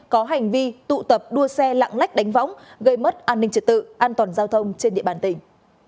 có hành vi tụ tập đua xe lạng lách đánh võng gây mất an ninh trật tự an toàn giao thông trên địa bàn tỉnh